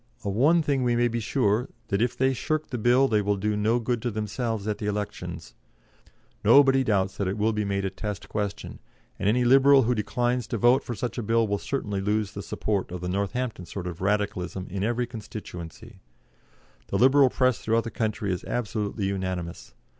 Of one thing we may be sure, that if they shirk the Bill they will do no good to themselves at the elections. Nobody doubts that it will be made a test question, and any Liberal who declines to vote for such a Bill will certainly lose the support of the Northampton sort of Radicalism in every constituency. The Liberal Press throughout the country is absolutely unanimous.